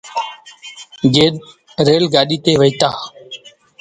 ريل گآڏيٚ تي وهيتآ۔